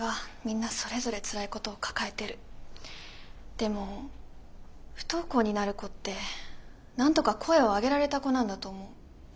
でも不登校になる子ってなんとか声を上げられた子なんだと思う。